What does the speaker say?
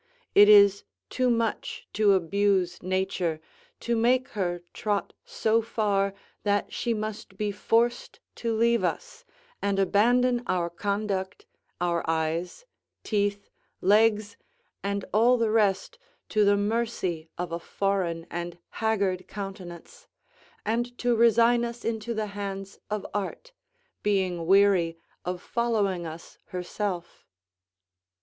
It is too much to abuse nature, to make her trot so far that she must be forced to leave us, and abandon our conduct, our eyes, teeth, legs, and all the rest to the mercy of a foreign and haggard countenance, and to resign us into the hands of art, being weary of following us herself.